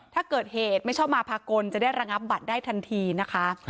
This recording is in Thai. ถ้าเกิดเหตุไม่ชอบมาพากลจะได้ระงับบัตรได้ทันทีนะคะ